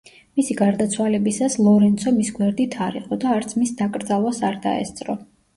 მისი გარდაცვალებისას ლორენცო მის გვერდით არ იყო და არც მის დაკრძალვას არ დაესწრო.